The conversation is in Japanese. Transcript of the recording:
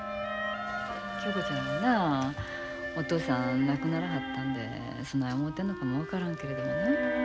恭子ちゃんもなお父さん亡くならはったんでそない思うてんのかも分からんけれどもな。